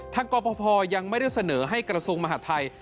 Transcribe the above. กรพยังไม่ได้เสนอให้กระทรวงมหาทัย